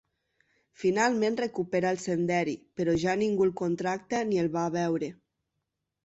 Finalment recupera el senderi, però ja ningú el contracta ni el va a veure.